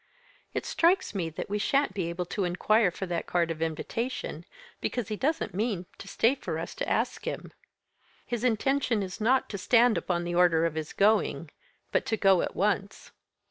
"It strikes me that we sha'n't be able to inquire for that card of invitation, because he doesn't mean to stay for us to ask him. His intention is not to stand upon the order of his going, but to go at once."